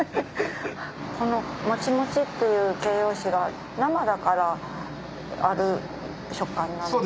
この「もちもち」っていう形容詞が生だからある食感なんですか？